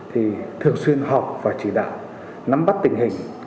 thì thường xuyên họp và chỉ đạo nắm bắt tình hình